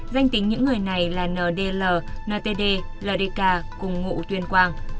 danh tính những người này là ndl ntd ldk cùng ngụ tuyên quang